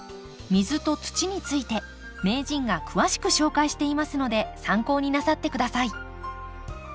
水と土について名人が詳しく紹介していますので参考になさって下さい。